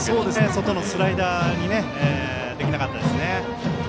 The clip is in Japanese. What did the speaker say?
外のスライダーにできなかったですね。